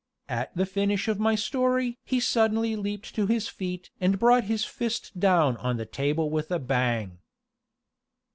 At the finish of my story he suddenly leaped to his feet and brought his fist down on the table with a bang.